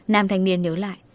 nam thanh niên nhớ lại